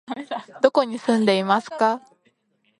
どこに住んでいますか？